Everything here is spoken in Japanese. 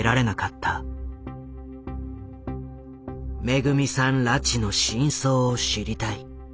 めぐみさん拉致の真相を知りたい。